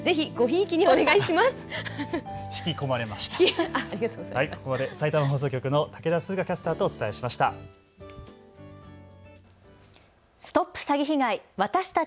ここまでさいたま放送局の武田涼花キャスターとお伝えしました。